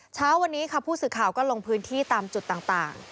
เช้าวันนี้ค่ะผู้สื่อข่าวก็ลงพื้นที่ตามจุดต่าง